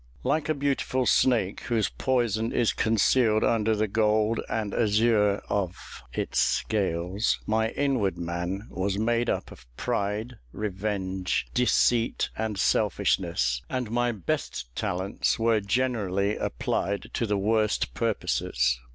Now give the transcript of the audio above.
Like a beautiful snake, whose poison is concealed under the gold and azure of its scales, my inward man was made up of pride, revenge, deceit, and selfishness, and my best talents were generally applied to the worst purposes.